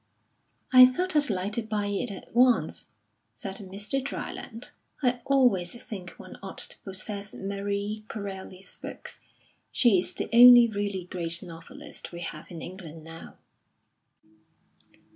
"I thought I'd like to buy it at once," said Mr. Dryland. "I always think one ought to possess Marie Corelli's books. She's the only really great novelist we have in England now."